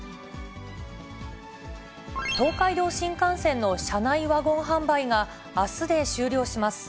東海道新幹線の車内ワゴン販売があすで終了します。